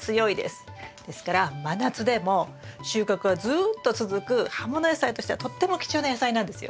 ですから真夏でも収穫はずっと続く葉もの野菜としてはとっても貴重な野菜なんですよ。